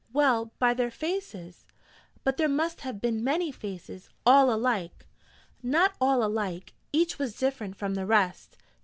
'Well, by their faces....' 'But there must have been many faces all alike ' 'Not all alike. Each was different from the rest.'